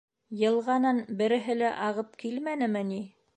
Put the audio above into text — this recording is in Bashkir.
— Йылғанан береһе лә ағып килмәнеме ни?